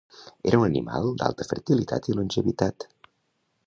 Era un animal d'alta fertilitat i longevitat.